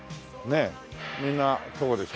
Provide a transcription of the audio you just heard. みんなそうでしょ？